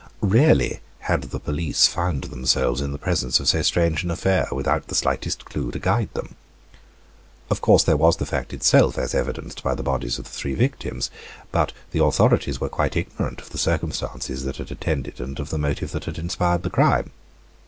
Rarely had the police found themselves in the presence of so strange an affair, without the slightest clue to guide them. Of course, there was the fact itself, as evidenced by the bodies of the three victims; but the authorities were quite ignorant of the circumstances that had attended and of the motive that had inspired the crime.